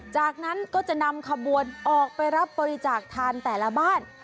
จากนั้นก็จะนำขบวนออกไปรับบริจาคทานแต่ละบ้าน